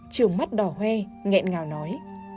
trường mắt đỏ hoe nghẹn ngào nói